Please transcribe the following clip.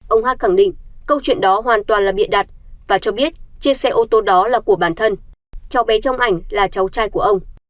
ông hát khẳng định câu chuyện đó hoàn toàn là bịa đặt và cho biết chiếc xe ô tô đó là của bản thân cháu bé trong ảnh là cháu trai của ông